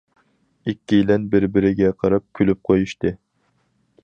ئىككىيلەن بىر- بىرىگە قاراپ كۈلۈپ قويۇشتى.